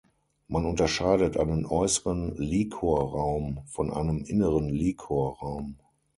Man unterscheidet einen äußeren Liquorraum von einem inneren Liquorraum.